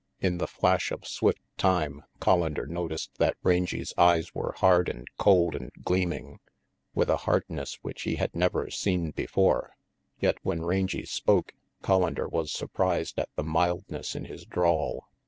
In the flash of swift time, Collander noticed that Rangy's eyes were hard and cold and gleaming, with a hardness which he had never seen before; yet when Rangy spoke, Collander was surprised at the mildness in his drawl.